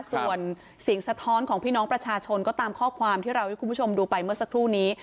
ส่วนเสียงสะท้อนของพี่น้องประชาชนก็ตามข้อความที่เราให้คุณผู้ชมดูไปเมื่อสักครู่นี้